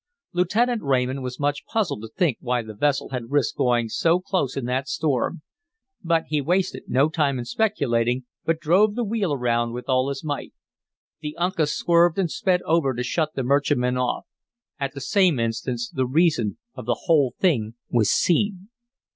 Lieutenant Raymond was much puzzled to think why the vessel had risked going so close in that storm; but he wasted no time in speculating, but drove the wheel around with all his might. The Uncas swerved and sped over to shut the merchantman off; at that same instant the reason of the whole thing was seen.